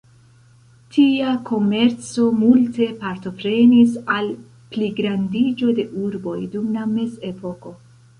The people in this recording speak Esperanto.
Tia komerco multe partoprenis al pligrandiĝo de urboj dum la mezepoko.